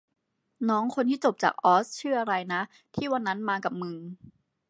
น้องคนที่จบจากออสชื่ออะไรนะ ที่วันนั้นมากับมึง